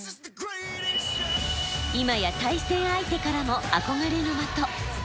今や対戦相手からも憧れの的。